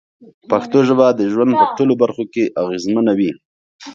پښتو ژبه د ژوند په ټولو برخو کې اغېزمنه وي.